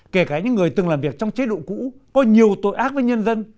kể cả những người từng làm việc trong chế độ cũ có nhiều tội ác với nhân dân